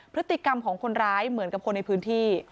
พฤติกรรมของคนร้ายเหมือนกับคนในพื้นที่